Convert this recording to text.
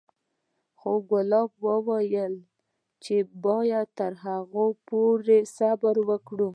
خو ګلاب وويل چې بايد تر هغې پورې صبر وکړم.